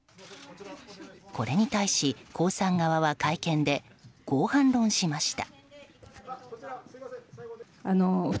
これに対し、江さん側は会見でこう反論しました。